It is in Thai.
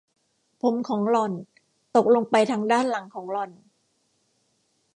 ผมของหล่อนตกลงไปทางด้านหลังของหล่อน